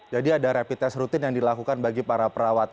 jadi ada rapid test rutin yang dilakukan bagi para perawat